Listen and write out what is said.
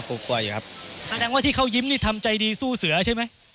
กว่าอยู่ครับแสดงว่าที่เขายิ้มนี่ทำใจดีสู้เสือใช่ไหม